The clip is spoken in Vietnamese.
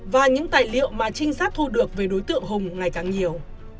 và những tài liệu mà trinh sát thu được về đối tượng hùng ngày càng nhiều